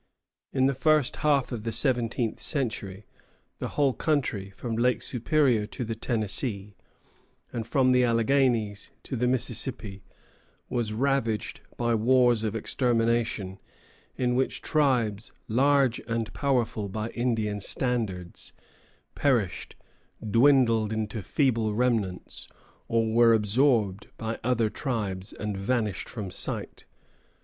In the first half of the seventeenth century the whole country, from Lake Superior to the Tennessee, and from the Alleghanies to the Mississippi, was ravaged by wars of extermination, in which tribes, large and powerful by Indian standards, perished, dwindled into feeble remnants, or were absorbed by other tribes and vanished from sight.